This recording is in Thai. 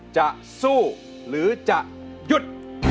จะสู้หรือจะหยุด